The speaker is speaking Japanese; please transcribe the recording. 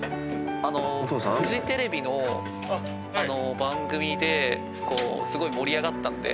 フジテレビの番組ですごい盛り上がったんで。